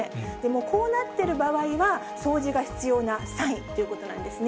こうなってる場合は、掃除が必要なサインということなんですね。